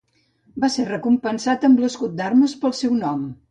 Va ser recompensat amb l'escut d'armes pel seu nom.